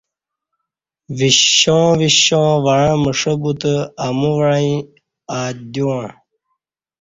وِشاں وِشاں وعݩہ مݜہ بوتہ امو وعیں آدیووعں